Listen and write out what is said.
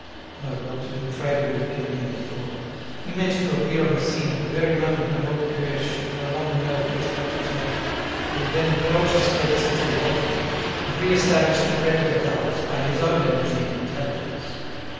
No well to do trader would have given him his daughter. He meant to appear on the scene at the very moment when old Puech should no longer know which way to turn; he would then purchase Félicité of him, and re establish the credit of the house by his own energy and intelligence.